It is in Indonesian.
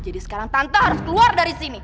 jadi sekarang tante harus keluar dari sini